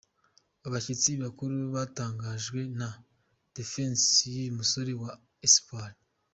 Abashyitsi bakuru batangajwe na ‘defense’ y’uyu musore wa Espoir.